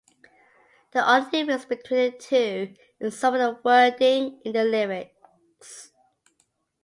The only difference between the two is some of the wording in the lyrics.